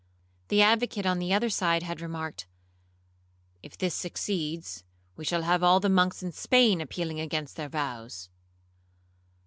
The advocate on the other side had remarked, 'If this succeeds, we shall have all the monks in Spain appealing against their vows.'